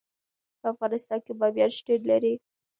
په افغانستان کې بامیان شتون لري.